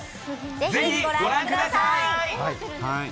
ぜひご覧ください！